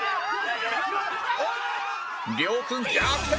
亮君逆転！